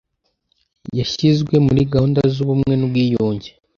Yashyizwe muri gahunda z ubumwe n ubwiyunge